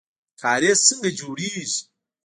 کاریز څنګه جوړیږي؟